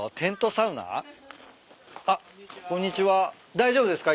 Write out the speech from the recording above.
大丈夫ですか？